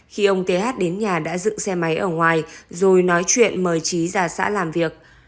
khi ông th đến nhà đã dựng xe máy ở ngoài rồi nói chuyện mời trí ra xã làm việc